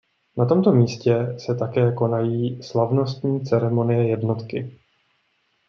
Na tomto místě se také konají slavnostní ceremonie jednotky.